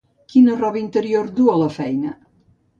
Quina roba interior duu a la feina?